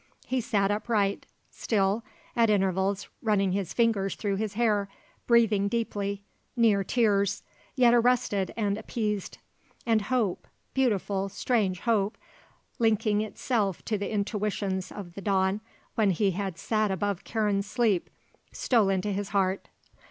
He sat upright, still, at intervals, running his fingers through his hair, breathing deeply, near tears, yet arrested and appeased. And hope, beautiful, strange hope, linking itself to the intuitions of the dawn when he had sat above Karen's sleep, stole into his heart.